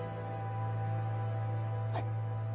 はい。